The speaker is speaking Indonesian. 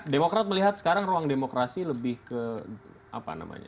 demokrat melihat sekarang ruang demokrasi lebih ke apa namanya